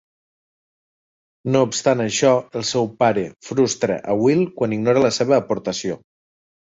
No obstant això, el seu pare frustra a Will quan ignora la seva aportació.